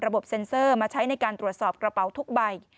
เซ็นเซอร์มาใช้ในการตรวจสอบกระเป๋าทุกใบ